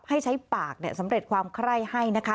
ให้ใช้ปากสำเร็จความไคร้ให้นะคะ